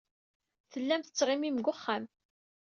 Tellam tettɣimim deg wexxam.